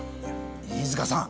飯塚さん！